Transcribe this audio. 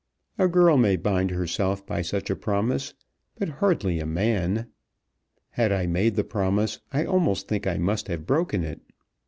A girl may bind herself by such a promise, but hardly a man. Had I made the promise I almost think I must have broken it.